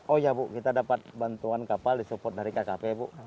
oh ya bu kita dapat bantuan kapal disupport dari kkp bu